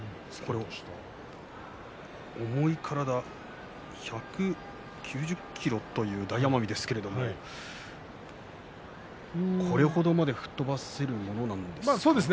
重い体１９０ｋｇという大奄美ですがここまで吹っ飛ばすものなんですか？